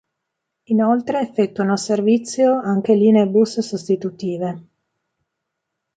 Inoltre effettuano servizio anche linee bus sostitutive.